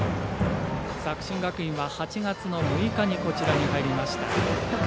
作新学院は８月６日にこちらに入りました。